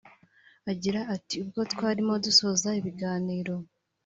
Agira ati "Ubwo twarimo dusoza ibiganiro